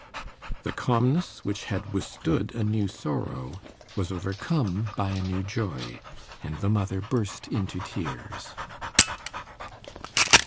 The calmness which had withstood a new sorrow was overcome by a new joy, and the mother burst into tears.